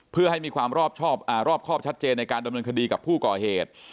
เพื่อให้มีความรอบครอบชัดเจนในการดำเนินคดีกับผู้ก่อเหตุ